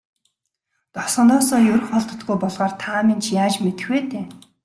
Тосгоноосоо ер холддоггүй болохоор та минь ч яаж мэдэх вэ дээ.